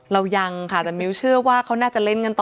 เรายังค่ะแต่มิวเชื่อว่าเขาน่าจะเล่นกันต่อ